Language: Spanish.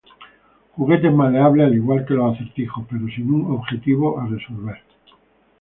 Juguetes-Maleables al igual que los acertijos pero sin un objetivo a resolver.